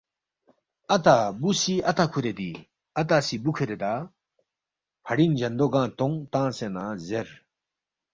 اتا ،بُو سی اتا کُھوریدی، اتا سی بُو کُھوریدا؟ فڑِینگ جندو گنگ تونگ، تنگسے نہ زیر